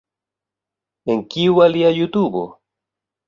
En kiu alia jutubo?